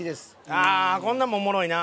ああーこんなんもおもろいな！